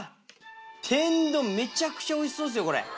天丼めちゃくちゃおいしそうっすよ。